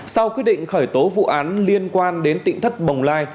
sau quyết định khởi tố vụ án liên quan đến tỉnh thất bồng lai